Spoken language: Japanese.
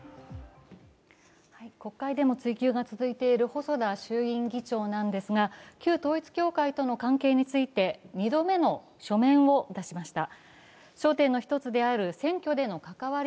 国会でも追及が続いている細田衆議院議長ですが、旧統一教会との関係について２度目の書面を出しました。